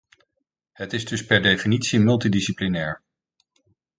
Het is dus per definitie multidisciplinair.